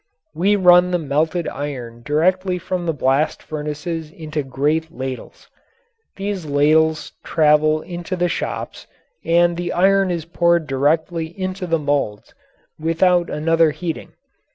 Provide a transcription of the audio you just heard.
We run the melted iron directly from the blast furnaces into great ladles. These ladles travel into the shops and the iron is poured directly into the moulds without another heating.